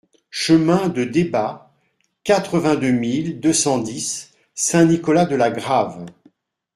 Chemin de Débat, quatre-vingt-deux mille deux cent dix Saint-Nicolas-de-la-Grave